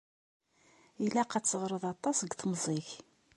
Ilaq ad teɣreḍ aṭas deg temẓi-k.